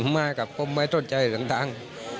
มากก็ไม่สนใจทั้ง